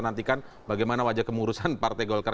nantikan bagaimana wajah kemurusan partai golkar